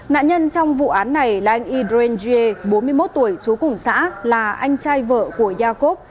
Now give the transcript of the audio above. nạn nhân trong vụ án này là anh idren gie bốn mươi một tuổi trú cùng xã là anh trai vợ của iacob